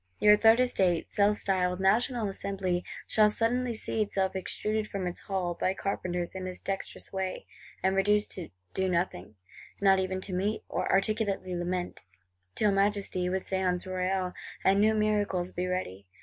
Your Third Estate, self styled "National Assembly," shall suddenly see itself extruded from its Hall, by carpenters, in this dexterous way; and reduced to do nothing, not even to meet, or articulately lament,—till Majesty, with Séance Royale and new miracles, be ready!